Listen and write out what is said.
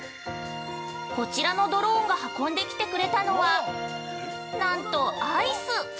◆こちらのドローンが運んできてくれたのはなんとアイス！